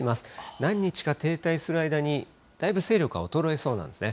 何日か停滞する間に、だいぶ勢力は衰えそうなんですね。